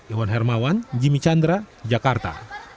iwan hermawan jimmy chandra jakarta